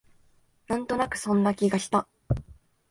なんとなくそんな気がした